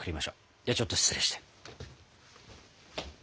ではちょっと失礼して。